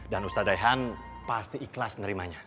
dan ustadz dayhan pasti ikhlas nerimanya